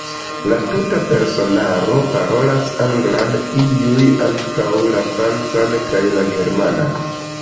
La tuta personaro parolas la anglan, iuj ankaŭ la francan kaj la germanan.